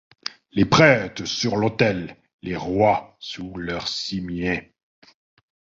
Les prêtres sur l'autel, les rois sous leur cimier